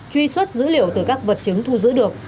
truy xuất dữ liệu từ các vật chứng thu giữ được